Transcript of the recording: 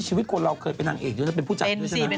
ชีวิตคนเราเคยเป็นนางเอกมาเป็นผู้จัด